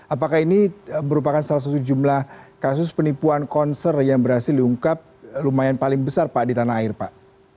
apakah ini merupakan salah satu jumlah kasus penipuan konser yang berhasil diungkap lumayan paling besar pak di tanah air pak